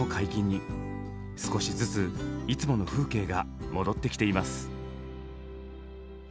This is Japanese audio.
少しずついつもの風景が戻ってきています。